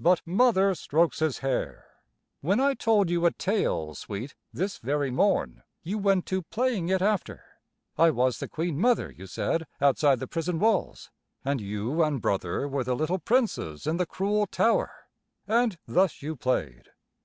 But Mother strokes his hair. "When I told you a tale, sweet, this very morn, you went to playing it after. I was the Queen mother, you said, outside the prison walls, and you and Brother were the little Princes in the cruel tower, and thus you played.